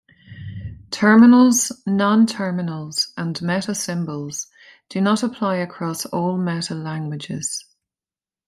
Terminals, nonterminals, and metasymbols do not apply across all metalanguages.